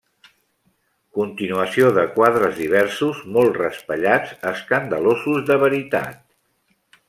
Continuació de quadres diversos molt raspallats, escandalosos de veritat.